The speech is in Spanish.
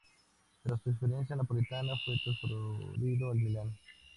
Tras su experiencia napolitana fue transferido al Milan.